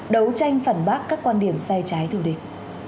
đấu tranh phản bác các quan điểm sai trái thù địch